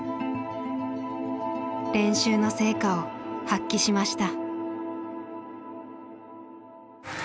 練習の成果を発揮しました。